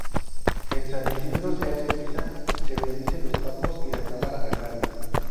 En San Isidro se hace misa, se bendicen los campos y la Cámara agraria.